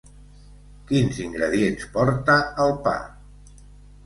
Quins ingredients porta el pa?